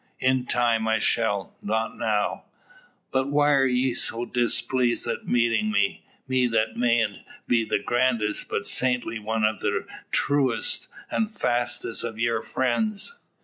"In time I shall not now." "But why are ye displeezed at meetin' me me that mayent be the grandest, but saitinly one o' the truest an' fastest o' yur friends?"